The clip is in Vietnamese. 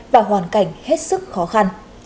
và hoàn cảnh hết sức khó khăn